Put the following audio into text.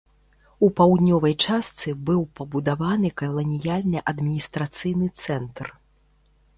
У паўднёвай частцы быў пабудаваны каланіяльны адміністрацыйны цэнтр.